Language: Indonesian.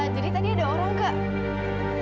jadi tadi ada orang kak